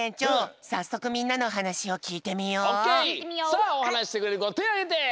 さあおはなししてくれるこてあげて！